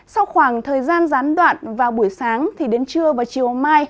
sau khoảng thời gian gián đoạn vào buổi sáng đến trưa và chiều mai